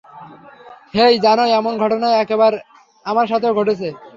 হেই, জানো, এমন ঘটনা একবার আমার সাথেও ঘটেছে।